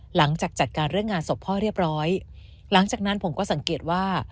หลังจากจัดการเรื่องงานศพพ่อเรียบร้อยหลังจากนั้นผมก็สังเกตว่า